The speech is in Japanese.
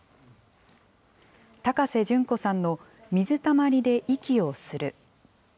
高瀬隼子さんの水たまりで息をする。